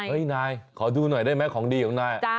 นายขอดูหน่อยได้ไหมของดีของนาย